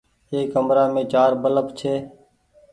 اي ڪمرآ مين چآر بلڦ ڇي۔